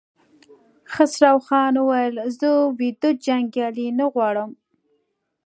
خسروخان وويل: زه ويده جنګيالي نه غواړم!